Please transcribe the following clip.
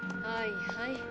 はいはい。